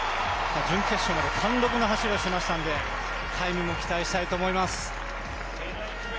準決勝まで貫禄の走りをしてましたので、タイムも期待したいと思います。